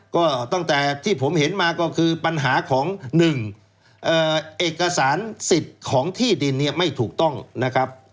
ก็ตั้งแต่ที่ผมเห็นมาก็คือปัญหาของ๑เอกสารสิทธิ์ของที่ดินเนี่ยไม่ถูกต้องนะครับ